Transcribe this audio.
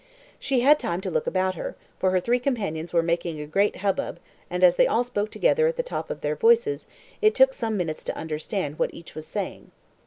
She had time to look about her, for her three companions were making a great hubbub, and, as they all spoke together, at the top of their voices, it took some minutes to understand what each was saying.